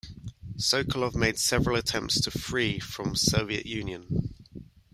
Sokolov made several attempts to flee from Soviet Union.